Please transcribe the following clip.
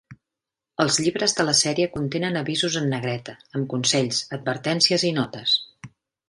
Els llibres de la sèrie contenen avisos en negreta, amb consells, advertències i notes.